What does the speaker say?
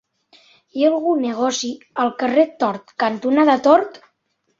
Hi ha algun negoci al carrer Tort cantonada Tort?